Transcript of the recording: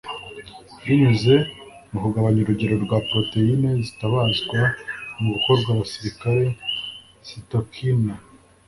binyuze mu kugabanya urugero rwa proteyine zitabazwa mu gukora abasirikare (cytokines)